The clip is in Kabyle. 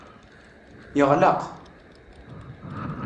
Yeɣleq.